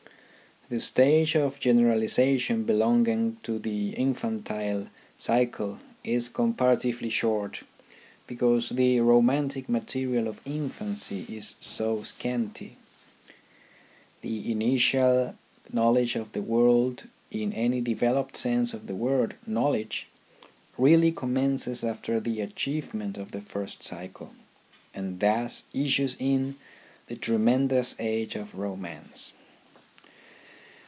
The stage of generalization belonging to the infantile cycle is comparatively short because the romantic material of infancy is so scanty. The initial knowledge of the world in any developed sense of the word " knowledge " really commences after the achievement of the first cycle, and thus issues in the tremendous age of romance.